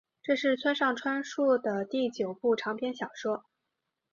这是村上春树的第九部长篇小说。